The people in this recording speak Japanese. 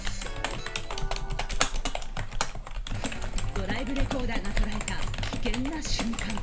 ドライブレコーダーが捉えた危険な瞬間。